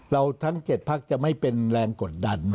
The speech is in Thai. เราทั้งเจ็ดภาคจะไม่เป็นแรงกฎดัน